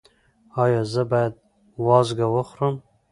ایا زه باید وازګه وخورم؟